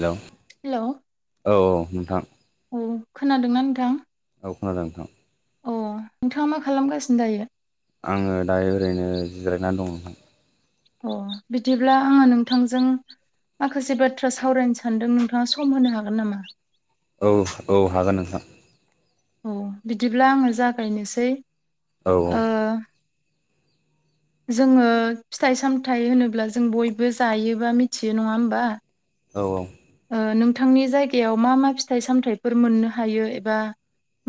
हेल' hello औ औ नोंथां। औ खोनादोंना नोंथां? औ खोनादों नोंथां। अ नोंथाङा मा खालामगासिनो दायो? आंङो दायो ओरैनो जिरायनानै दं [unintelligible] अ बिदिब्ला आंङो नोंथांजों माखासे बाथ्रा सावरायनो सानदों नोंथाङा सम होनो हागोन नामा? औ औ हागोन नोंथां। अ बिदिब्ला आंङो जागायनोसै। औ औ। ओ जोङो फिथाइ सामथायाइ होनोब्ला जों बयबो जायो बा मिथियो नङा होमबा? औ औ। ओ नोंथांनि जायगायाव मा मा फिथाइ सामथायाइफोर मोननो हायो एबा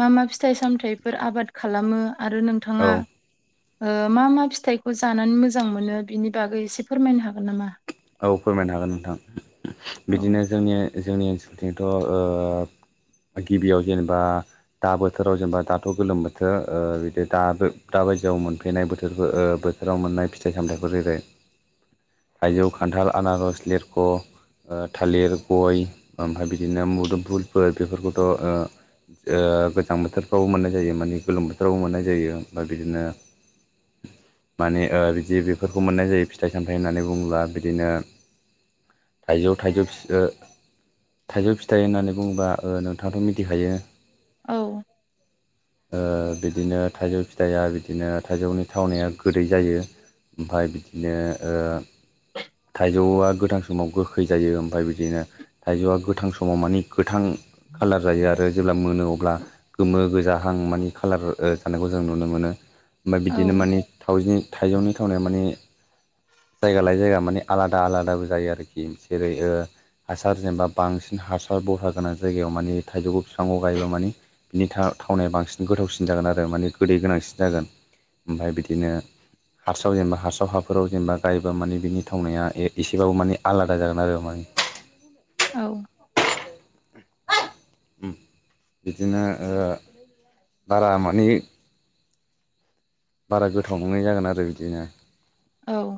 मा मा फिथाइ सामथाइफोर आबाद खालामो आरो औ नोंथाङा ओ मा मा फिथाइखौ जानानै मोजां मोनो बिनि बागै एसे फोरमायनो हागोन नामा? औ फोरमायनो हागोन नोंथां औ बिदिनो जोंनि जोंनि ओनसोलथिंथ ओ गिबियाव जेनेबा दा बोथोराव जेनेबा दाथ' गोलोम बोथोर ओ बिदि दाबो दा बायदियाव मोनफैनाय ओ बोथ थोराव मोननाय फिथाइ सामथायफोर जेरै थायजौ, खान्थाल, आनारस, लेरक ओ थालिर, गय ओमफ्राय बिदिनो मुदोमफुलफोर बेफोरखौथ' ओ गोजां बोथोरफ्रावबो मोननाय जायो माने गोलोम बोथोरावबो मोननाय जायो ओमफ्राय बिदिनो माने ओ बिदि बेफोरखौ मोननाय जायो फिथाइ सामथाइ होननानै बुङोब्ला बिदिनो थाइजौ थाइजौ फिसो थाइजौ फिथाइ होननानै बुङोबा ओ नोंथाङाथ' मिथिखायो? औ। ओ बिदिनो थाइजौ फिथाइआ बिदिनो थाइजौनि थावनाया गोदै जायो। ओमफ्राय बिदिनो ओ थाइजौआ गोथां समाव गोखै जायो ओमफ्राय बिदिनो थाइजौआ गोथां समाव माने गोथां कालार जायो आरो जेब्ला मोनो अब्ला गोमो गोजाहां माने खाालार जानायखौ जों नुनो मोनो। ओमफ्राय औ बिदिनो माने [unintelligible] थाइजौनि थावनाया माने जायगा लाय जायगा माने आलादा आलादाबो जायो आरोखि जेरै ओ हासार जेनेबा बांसिन हासार बरहा गोनां जायगायाव माने थाइजौखौ बिफांखौ गायोबा माने बिनि था-थावनाया बांसिन गोथावसिन जागोन आरो माने गोदै गोनांसिन जागोन ओमफ्राय बिदिनो हास्राव जेनेबा हास्राव हाफोराव जेनेबा गायोबा माने बिनि थावनाया ए-एसेबाबो माने आलादा जागोन आरो माने। औ। बिदिनो बारा माने बारा गोथाव नङै जागोन आरो बिदिनो। औ।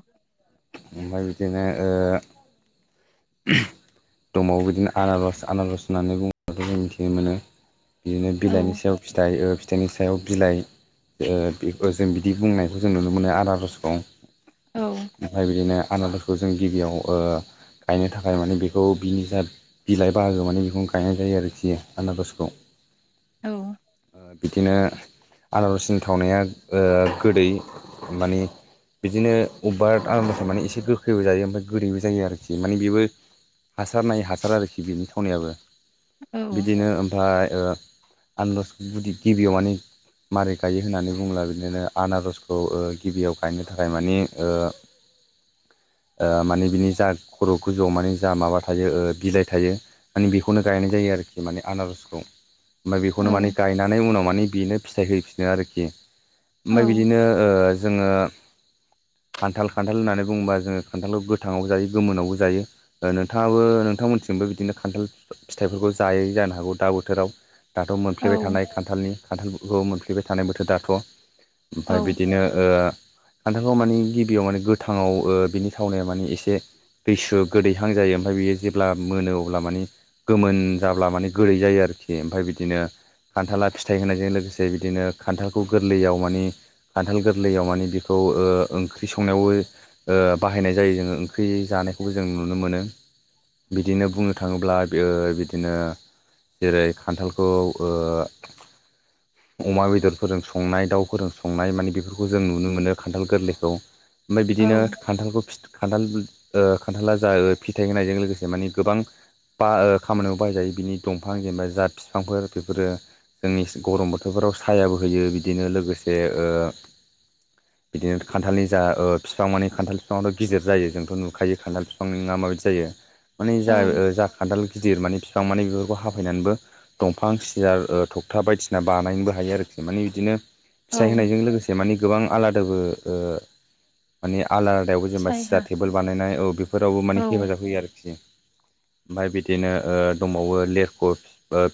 ओमफ्राय बिदिनो ओ दंबावो बिदिनो आनारस आनारस होननानै बुङोबो जों मिथिनो मोनो। बिदिनो औ बिलाइनि सायाव फिथाइ बिनि सायाव बिलाइ ओ बेखौ जों बिदि बुंनायखौ जों नुनो मोनो आनारसखौ। औ। ओमफ्राय बिदिनो आनारसखौ जों गिबियाव ओ गायनो थाखाय माने बेखौ बिनि जा बिलाइ बाहागो माने बेखौनो गायनाय जायो आरोखि आनारसखौ औ ओ बिदिनो आनारसनि थावनाया ओ गोदै मानि बिदिनो अबेबा आनारसआ माने एसे गोखैबो जायो ओमफाय गोदैबो जायो आरोखि। माने बेबो हासार नायै हासार आरोखि बिनि थावनायाबो। औ बिदिनो ओमफाय ओ आनारस गुदि गिबियाव मानि मारै गायो होननानै बुंब्ला बिदिनो आनारसखौ ओ गिबियाव गायनो थाखाय मानि ओ ओ मानि बिनि जा खर' गोजौआव माने जा माबा थायो ओ बिलाइ थायो मानि बेखौनो गायनाय जायो आरोखि मानि आनारसखौ। ओमफाय बेखौनो माने औ गायनानै उनाव माने बेनो फिथाइ होफिनो आरोखि। ओमफाय बिदिनो ओ जोङो खान्थाल खान्थाल होननानै बुङोबा जोङो खान्थालखौ गोथाङावबो जायो गोमोनावबो जायो। ओ नोंथाङाबो नोंथांमोनथिंबो बिदिनो खान्थाल फिथाइफोरखौ जायो जानो हागौ दा बोथोराव। दाथ' मोनफ्लेबाय थानाय खान्थालनि खान्थालफोरखौ मोनफ्लेबाय थानाय बोथोर दाथ'। ओमफाय बिदिनो ओ खान्थालखौ माने गिबियाव माने गोथाङाव ओ बिनि थावनाया माने एसे दैसु गोदैहां जायो ओमफाय बियो जेब्ला मोनो अब्ला मानि गोमोन जाब्ला माने गोदै जायो आरोखि ओमफाय बिदिनो खान्थाला फिथाइ होनायजों लोगोसे बिदिनो खान्थालखौ गोरलैयाव मानि खान्थाल गोरलैयाव मानि बेखौ ओ ओंख्रि संनायावबो ओ बाहायनाय जायो जोङो ओंख्रि जानायखौबो जों नुनो मोनो। बिदिनो बुंनो थाङोब्ला ओ बिदिनो जेरै खान्थालखौ ओ अमा बेदरफोरजों संनाय दाउफोरजों संनाय माने बेफोरखौ जों नुनो मोनो खान्थाल गोरलैखौ। ओमफाय औ बिदिनो खान्थालखौ खान्थाल ओ खान्थाला जा ओ फिथाइ होनायजों लोगोसे मानि गोबां बा ओ खामानियाव बाहायजायो बिनि दंफां जेनेबा जा बिफांफोर बेफोरो जोंनि गरम बोथोरफोराव सायाबो होयो बिदिनो लोगोसे ओ बिदिनो खान्थालनि जा ओ फिफां माने खान्थाल बिफाङाथ' गिदिर जायो जोंथ' नुखायो। खान्थाल बिफांनिङा माबायदि जायो माने औ [unintelligible] खान्थाल गिदिर माने बिफां माने बेफोरखौ हाफायनानैबो दंफां सियार ओ थखथा बायदिसिना बानायनोबो हायो आरोखि माने बिदिनो फिथाइ औ होनायजों लोगोसे मानि गोबां आलादाबो ओ मानि आलदा आलदायावबो जेनेबा सायहा सियार टेबोल बानायनाय औ बेफोरावबो औ माने हेफाजाब होयो आरोखि। ओमफाय बिदिनो ओ दंबावो लेरख' ओ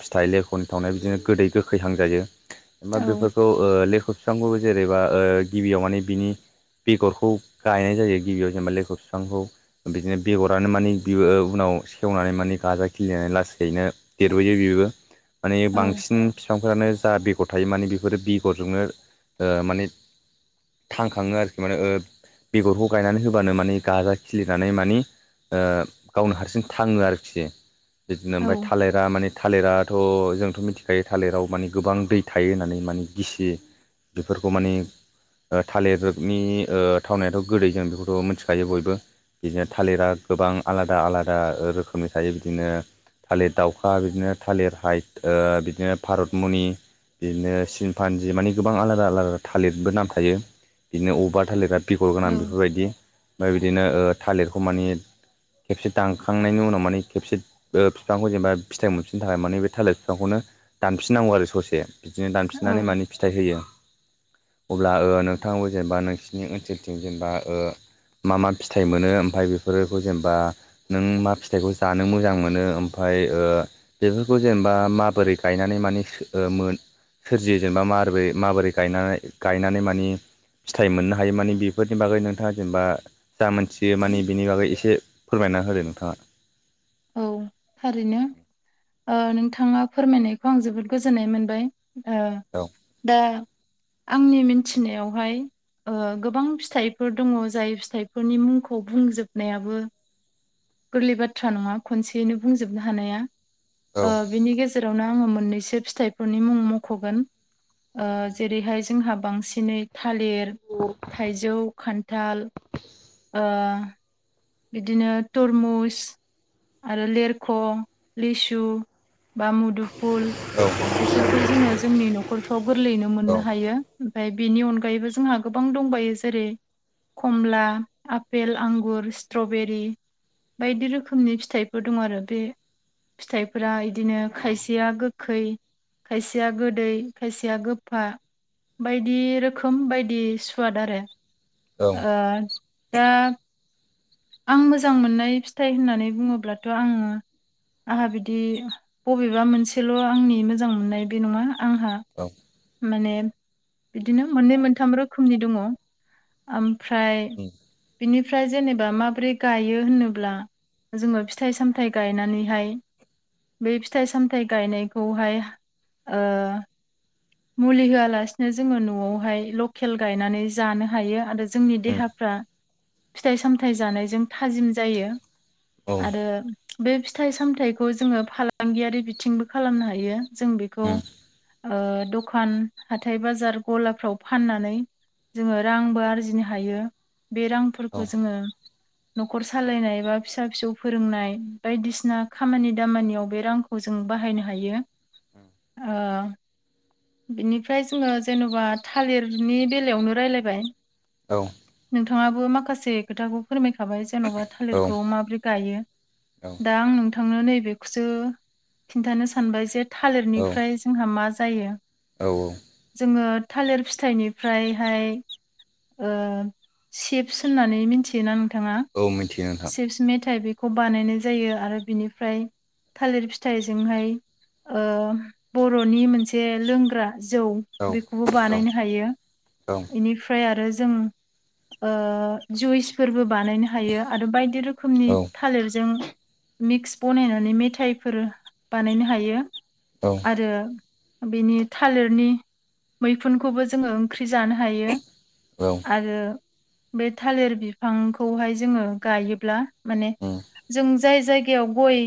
फिथाइ लेख'नि थावनाय बिदिनो गोदै गोखैहां जायो [unintelligible] औ बेफोरखौ [unintelligible] बिफांखौबो जेरैबा ओ गिबियाव माने बिनि बेगरखौ गायनाय जायो गिबियाव जेनेबा लेरख बिफांखौ बिदिनो बेगरानो मानि बि उनाव सेवनानै माने गाजा खिलिनानै लासैनो देरबोयो बेबो माने औ बांसिन बिफांफोरानो जा बेगर थायो माने बेफोरो बेगरजोंनो ओ माने थांखाङो आरोखि माने ओ बेगरखौ गायनानै होबानो माने गाजा खिलि जानाय माने ओ गावनो हारसिं थाङो आरोखि बिदिनो [unintelligible] थालेर दा माने थालिराथ' जोंथ' मिथिखायो थालिराव माने गोबां दै थायो होननानै माने गिसि बेफोरखौ माने थालिरनि थावनायाथ' गोदै जों बेखौथ' मिथिखायो बयबो बिदिनो थालिरा गोबां आलादा आलादा रोखोमनि थायो बिदिनो थालिर दाउखा बिदिनो थालिर हाइट बिदिनो भारतमुनि बिदिनो सिनफानजि मानि गोबां आलादा आलादा थालिरबो नाम थायो बिदिनो अबेबा थालिरा बिगर औ गोनां बेफोरबायदि ओमफ्राय बिदिनो थालिरखौ मानि खेबसे दानखांनायनि उनाव माने खेबसे बिफांखौ जेनेबा फिथाइ मोनफिननो थाखाय माने बे थालिर फिफांखौनो दानफिननांगौ आरो ससे बिदिनो दानफिननानै औ माने फिथाइ होयो अब्ला नोंथाङाबो जेनेबा नोंसिनि ओनसोलथिं जेनेबा ओ मा मा फिथ थाइ मोनो ओमफ्राय बेफोरखौ जेनेबा नों मा फिथाइखौ जानो मोजां मोनो ओमफ्राय ओ बेफोरखौ जेनेबा माबोरै गायनानै माने मोन सोरजियो जेनेबा माबोरै माबोरै गायनानै गायनानै मानि फिथाइ मोननो हायो मानि बेफोरनि बागै नोंथाङा जेनेबा जा मोनथियो मानि बिनि बागै एसे फोरमायना होदो नोंथाङा औ थारैनो नोंथाङा फोरमायनायखौ आं जोबोद गोजोननाय मोनबाय ओ औ दा आंनि मिनथिनायावहाय गोबां फिथाइफोर दङ जाय फिथाइफोरनि मुंखौ बुंजोबनायाबो गोरलै बाथ्रा नङा खनसेयैनो बुंजोबनो हानाया औ बेनि गेजे रावनो आङो मोननैसो फिथाइफोरनि मुं मख'गोन ओ जेरैहाय जोंहा बांसिनै थालिर [inaudible] थाइजौ खान्थाल ओ बिदिनो तरमुस आरो लेरख' लिसु बा मुदुफुल औ बेफोरखौ जोङो जोंनि न'खरफ्राव गोरलैयैनो मोननो हायो ओमफ्राय बेनि अनगायैबो जोंहा गोबां दंबायो जेरै कमला आपेल आंगुर स्ट्रबेरि बायदि रोखोमनि फिथाइफोर दं आरो बे फिथाइफोरा इदिनो खायसेया गोखै खायसेया गोदै खायसेया गोफा बायदि रोखोम बायदि सुवाद आरो औ दा आं मोजां मोननाय फिथाइ होननानै बुङोब्लाथ' आङो आंहा बिदि बबेबा मोनसेल' आंनि मोजां मोननाय बे नङा आंहा औ माने बिदिनो मोननै मोनथाम रोखोमनि दङ ओमफ्राय उम बिनि फ्राय जेनेबा माबोरै गायो होनोब्ला जोङो फिथाइ सामथाइ गायनानैहाय बे फिथाइ सामथाइ गायनायखौहाय मुलि होआलासिनो जोङो न'आवहाय लकेल गायनानै जानो हायो आरो जोंनि उम देहाफ्रा फिथाइ सामथाइ जानायजों थाजिम जायो औ आरो बे फिथाइ सामथाइखौ जोङो फालांगियारि बिथिंबो खालामनो हायो जों बेखौ उम ओ दखान हाथाय बाजार गलाफ्राव फाननानै जोङो रांबो आरजिनो हायो बे औ रांफोरखौ जोङो न'खर सालायनाय बा फिसा फिसौ फोरोंनाय बायदिसिना खामानि दामानियाव बे रां खौ जों बाहायनो हायो बिनिफ्राय जोङो जेन'बा थालिरनि बेलायावनो रायलायबाय औ नोंथाङाबो माखासे खोथाखौ फोरमायखाबाय जेन'बा थालिरखौ माबोरै गायो दा आं नोंथांनो नैबेखौसो खिन्थानो सानबाय जे औ थालिरनिफ्राय जोंहा मा जायो औ औ जोङो थालिर फिथाइनिफ्रायहाय ओ सेफ्स होननानै मिथियोना नोंथाङा औ मिथिया सेप्स मेथायाइ बेखौ बानायनाय जायो आरो बिनिफ्राय थालिर फिथाइजोंहाय ओ बर'नि मोनसे लोंग्रा जौ औ बेखौबो औ बानायनो हायो औ बिनिफ फ्राय आरो जों जुइसफोरबो बानायनो हायो आरो बायदि रोखोम रोखोमनि औ थालिरजों मिक्स बनायनानै मेथाइफोर बानायनो हायो औ आरो बेनि थालिरनि मैखुनखौबो जोङो ओंख्रि जानो हायो आरो बे थालिर बिफांखौहाय जोङो गायोब्ला माने उम जों जाय जायगायाव गय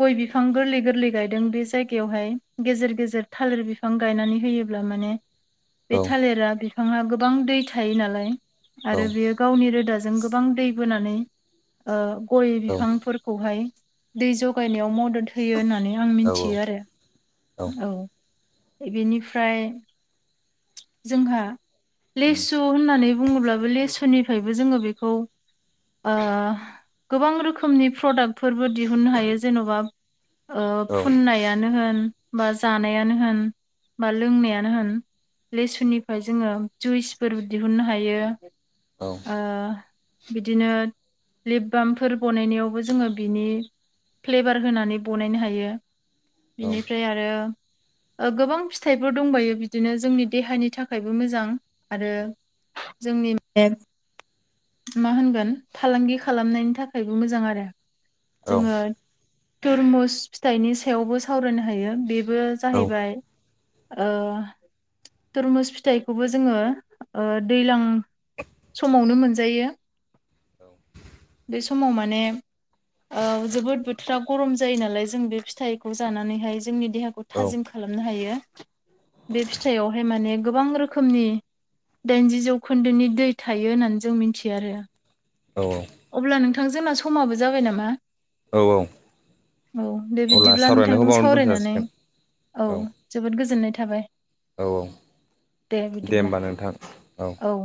गय बिफां गोरलै गोरलै गायदों बे जायगायावहाय गेजेर गेजेर थालिर बिफ फां गायनानै होयोब्ला माने बे औ औ थालिरा बिफाङा गोबां दै थायो नालाय आरो बेयो गावनि रोदाजों गोबां दै बोनानै ओ गय औ उम औ बिफांफोरख खौहाय दै जगायनायाव मदद होयो होनना नै आं औ मिनथियो आरो औ बेनिफ्राय जोंहा लेसु होननानै बुङोब्लाबो लेसुनिफ्रायबो जोङो बेखौ ओ गोबां रोखोमनि फ्रडाक्टफोरबो दिहुननो हायो जेन'बा ओ फुननायानो होन बा जानायानो होन बा लोंनायानो होन लेसुनिफाय जोङो जुइसफोर दिहुननो हायो औ ओ बिदिनो लिप बामफोर बनायनायावबो जोङो बिनि फ्लेभार होनानै बनायनो हायो बिनिफ्राय आ आरो ओ गोबां फिथाइफोर दंबायो बिदिनो जोंनि देहानि थाखायबो मोजां आरो जोंनि बे मा होनगोन फालांगि खालामनायनि थाखायबो मोजां आरो जोङो तुरमुस फिथाइनि सायावबो सावरायनो हायो बेबो जाहैबाय ओ तुरमुस फिथाइखौबो जोङो ओ दैज्लां समावनो मोनजायो बे समाव माने औ जोबोद बोथोरा गरम जायो नालाय जों बे फिथाइखौ जानानैहाय जोंनि देहाखौ औ थाजिम खालामनो हायो बे फिथाइयावहाय माने गोबां रोखोमनि दाइनजि जौखोन्दोनि दै थायो होननानै जों मिनथियो आरो औ औ अब्ला नोंथां जोंना समाबो जाबाय नामा औ औ दे अब्ला बिदिब्ला सावरायनायखौ नोंथांजों बावनो दोनथ' सावरायनानै जासिगोन औ जोबोद गोजोननाय थाबाय औ औ दे बिदिब्ला होमबा नोंथां औ